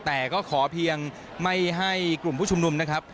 แต่ก็ขอเพียงไม่ให้กลุ่มผู้ชุมนุมนะครับ